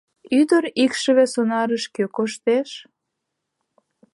— Ӱдыр икшыве сонарыш кӧ коштеш!?